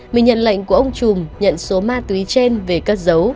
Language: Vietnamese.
mình nhận lệnh của ông trùm nhận số ma túy trên về cất giấu